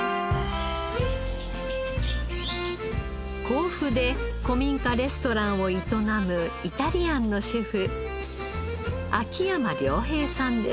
甲府で古民家レストランを営むイタリアンのシェフ秋山亮平さんです。